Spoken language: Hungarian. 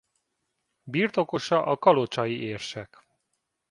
Birtokosa a kalocsai érsek.